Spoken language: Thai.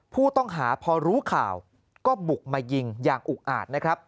ผู้ต้องหาพอรู้ข่าวก็บุกมายิงอย่างอุกอาจนะครับ